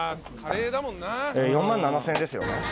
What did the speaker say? ４万７，０００円ですよね。